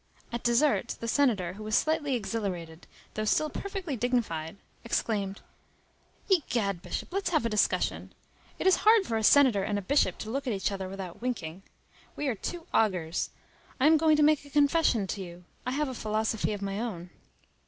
At dessert, the senator, who was slightly exhilarated, though still perfectly dignified, exclaimed:— "Egad, Bishop, let's have a discussion. It is hard for a senator and a bishop to look at each other without winking. We are two augurs. I am going to make a confession to you. I have a philosophy of my own."